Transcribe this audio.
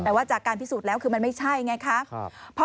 แต่ว่าจากการพิสูจน์แล้วคือมันไม่ใช่ไงคะ